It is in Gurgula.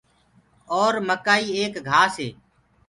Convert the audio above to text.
اور مڪآئي ايڪ گھآس هي۔